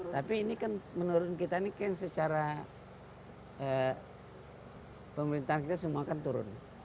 tapi ini menurut kita secara pemerintahan kita semua turun